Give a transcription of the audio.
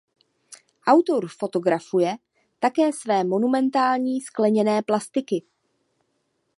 Autor fotografuje také své monumentální skleněné plastiky.